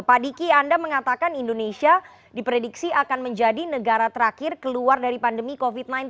pak diki anda mengatakan indonesia diprediksi akan menjadi negara terakhir keluar dari pandemi covid sembilan belas